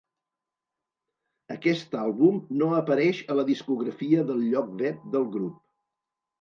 Aquest àlbum no apareix a la discografia del lloc web del grup.